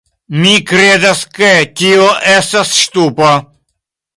Mi kredas, ke tio estas ŝtupo